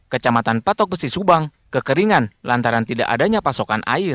kecamatan patok besi subang kekeringan lantaran tidak adanya pasokan air